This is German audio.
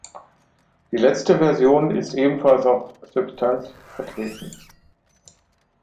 Die letzte Version ist ebenfalls auf "Substance" vertreten.